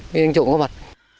nhưng trộm các vật